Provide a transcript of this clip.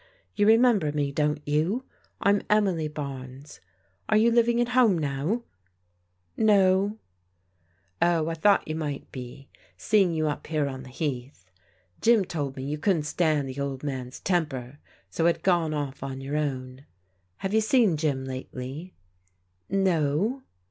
You remember me, don't you ? I'm Emily Barnes, Ki^ ^ou VvMvtv^ at home now ?''Nor THE *'GOOD FEIBND'^ 225 *' Oh, I thought yott might be, seeing you up here on ffae Heath. Jim told me you couldn't stand the old man's temper, so had gone oflF on your own. Have you seen Jim lately?" " No."